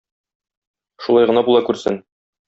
Шулай гына була күрсен.